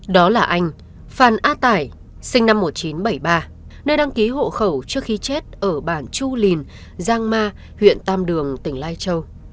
đó là anh phan a tải sinh năm một nghìn chín trăm bảy mươi ba nơi đăng ký hộ khẩu trước khi chết ở bản chu lìn giang ma huyện tam đường tỉnh lai châu